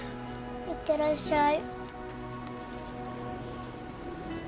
行ってらっしゃい。